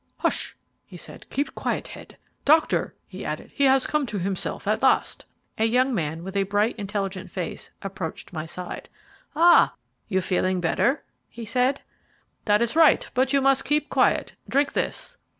"Hush!" he said, "keep quiet, Head. Doctor," he added, "he has come to himself at last." A young man, with a bright, intelligent face, approached my side. "Ah! you feel better?" he said. "That is right, but you must keep quiet. Drink this."